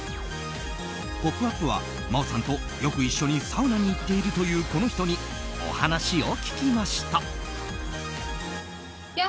「ポップＵＰ！」は真央さんと、よく一緒にサウナに行っているというこの人にお話を聞きました。